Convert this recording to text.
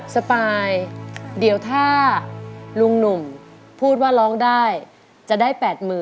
สปายเดี๋ยวถ้าลุงหนุ่มพูดว่าร้องได้จะได้๘๐๐๐